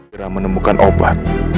segera menemukan obat